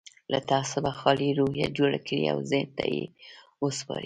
له تعصبه خالي روحيه جوړه کړئ او ذهن ته يې وسپارئ.